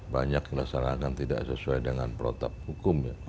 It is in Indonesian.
banyak kelasarangan tidak sesuai dengan prototip hukum